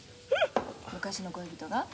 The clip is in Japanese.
昔の恋人が？